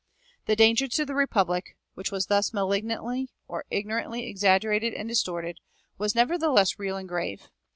[327:1] The danger to the Republic, which was thus malignantly or ignorantly exaggerated and distorted, was nevertheless real and grave.